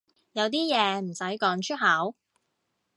有啲嘢唔使講出口